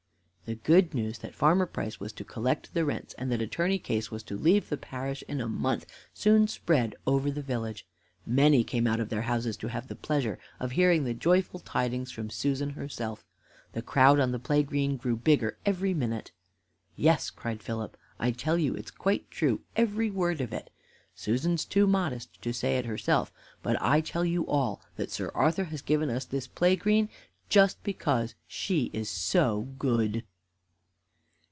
The good news that Farmer Price was to collect the rents and that Attorney Case was to leave the parish in a month soon spread over the village. Many came out of their houses to have the pleasure of hearing the joyful tidings from Susan herself. The crowd on the play green grew bigger every minute. "Yes," cried Philip, "I tell you it's quite true, every word of it. Susan's too modest to say it herself, but I tell you all, that Sir Arthur has given us this play green just because she is so good."